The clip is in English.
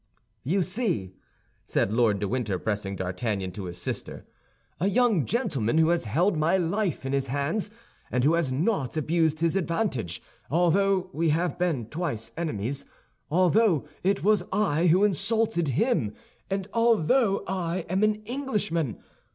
"You see," said Lord de Winter, presenting D'Artagnan to his sister, "a young gentleman who has held my life in his hands, and who has not abused his advantage, although we have been twice enemies, although it was I who insulted him, and although I am an Englishman.